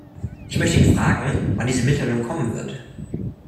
Ich möchte ihn fragen, wann diese Mitteilung kommen wird.